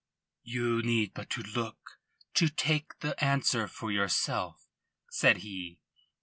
"You need but to look to take the answer for yourself," said he.